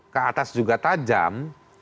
ke atas juga tajam